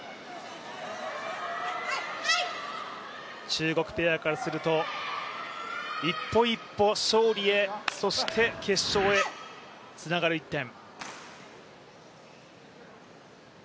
中国ペアからすると、一歩一歩、勝利へそして決勝へつながる１点。